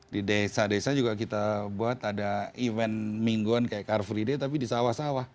di desa desa juga kita buat ada event mingguan kayak car free day tapi di sawah sawah